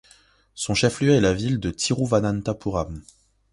Son chef-lieu est la ville de Thiruvananthapuram.